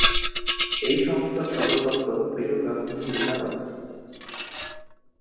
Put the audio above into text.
এই সংস্থার সদর দপ্তর পেরুর রাজধানী লিমায় অবস্থিত।